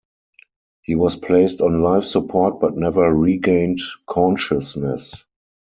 He was placed on life support, but never regained consciousness.